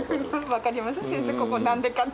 分かります？